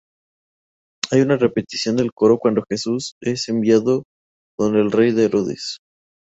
Hay una repetición del coro cuándo Jesús es enviado donde el Rey Herodes.